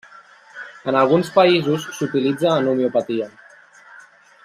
En alguns països s'utilitza en homeopatia.